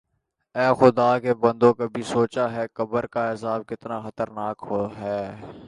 اے خدا کے بندوں کبھی سوچا ہے قبر کا عذاب کتنا خطرناک ہے